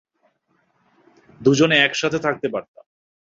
দুজনে একসাথে থাকতে পারতাম।